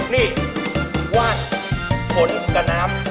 นี่วาดผลกับน้ำ